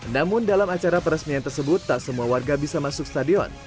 namun dalam acara peresmian tersebut tak semua warga bisa masuk stadion